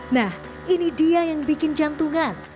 nah ini dia yang bikin jantungan